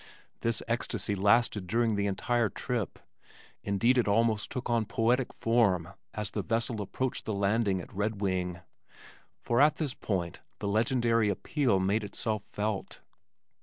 This ecstasy lasted during the entire trip indeed it almost took on poetic form as the vessel approached the landing at Redwing, for at this point the legendary appeal made itself felt.